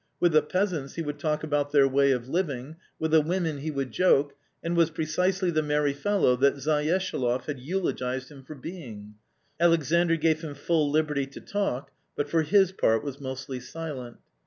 With the peasants, he would talk about their way of living, with the women he would joke, and was precisely the merry fellow that Zayeshaloff had eulogised him for being. Alexandr gave him full liberty to talk, but for his part was mostly silent.